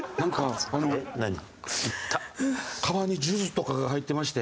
カバンに数珠とかが入ってまして。